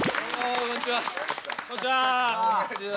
こんにちは。